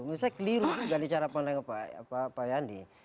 misalnya keliru juga di cara pandang pak yani